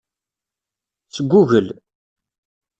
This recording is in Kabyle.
Sgugel.